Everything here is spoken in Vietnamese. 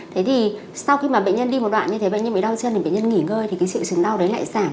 thế thì sau khi mà bệnh nhân đi một đoạn như thế bệnh nhân mới đau chân thì bệnh nhân nghỉ ngơi thì cái triệu chứng đau đấy lại giảm